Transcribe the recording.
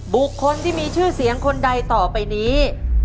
บุคคลที่มีชื่อเสียงคนใดต่อไปนี้